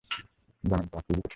জামিন পাওয়া খুবই কঠিন।